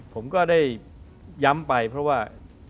ผมก็ได้ย้ำไปเพราะว่า